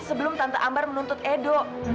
sebelum tante ambar menuntut edo